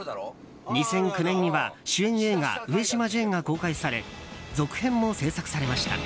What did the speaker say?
２００９年には主演映画「上島ジェーン」が公開され続編も製作されました。